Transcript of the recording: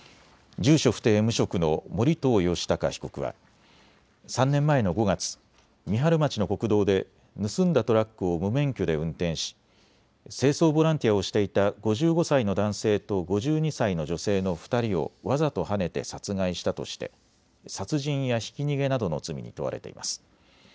住所不定、無職の盛藤吉高被告は３年前の５月、三春町の国道で盗んだトラックを無免許で運転し清掃ボランティアをしていた５５歳の男性と５２歳の女性の２人をわざとはねて殺害したとして殺人やひき逃げなどの罪に問われています。